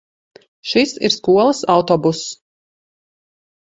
Šis ir skolas autobuss.